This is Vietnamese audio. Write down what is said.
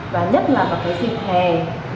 và nhất là vào cái dịp hè